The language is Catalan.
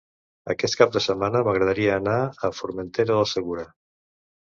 Aquest cap de setmana m'agradaria anar a Formentera del Segura.